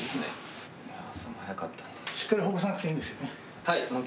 しっかりほぐさなくていいですか？